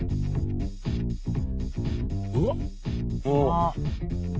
うわっ！